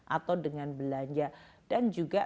atau dengan belanja dan juga